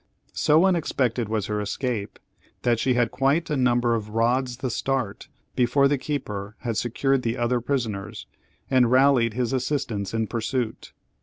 So unexpected was her escape, that she had quite a number of rods the start before the keeper had secured the other prisoners, and rallied his assistants in pursuit.